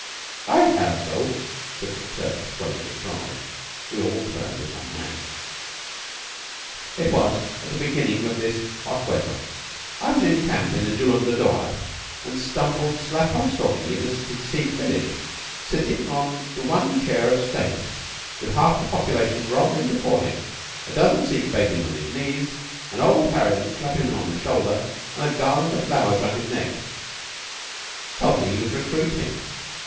"I have, though," said McTurk, swelling with pride. We all turned as one man. "It was at the beginning of this hot weather. I was in camp in the Jullunder doab and stumbled slap on Stalky in a Sikh village; sitting on the one chair of state, with half the population grovellin' before him, a dozen Sikh babies on his knees, an old harridan clappin' him on the shoulder, and a garland o' flowers round his neck. Told me he was recruitin'.